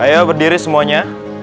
ayo berdiri semuanya